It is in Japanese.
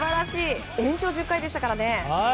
延長１０回でしたね。